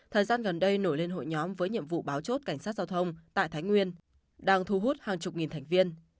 thời gian gần đây nổi lên hội nhóm với nhiệm vụ báo chốt cảnh sát giao thông tại thái nguyên đang thu hút hàng chục nghìn thành viên